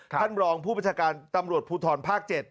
ท่านรองผู้ประชาการตำรวจภูทรภาค๗